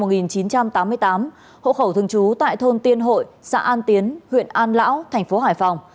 tại năm một nghìn chín trăm tám mươi tám hộ khẩu thường trú tại thôn tiên hội xã an tiến huyện an lão tp hải phòng